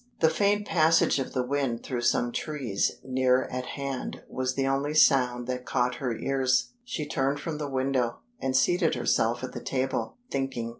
The faint passage of the wind through some trees near at hand was the only sound that caught her ears. She turned from the window, and seated herself at the table, thinking.